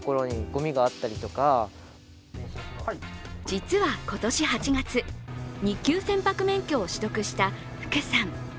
実は今年８月、２級船舶免許を取得した福さん。